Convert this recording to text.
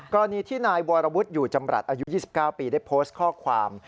กรณีที่นายวรวุฒิอยู่จำรัฐอายุ๒๙ปีได้โพสต์ข้อความ